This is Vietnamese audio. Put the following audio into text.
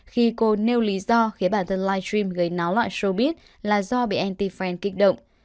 khi cô nêu lý do khiến bản thân live stream gây náo loại showbiz là do bị anti fan kích động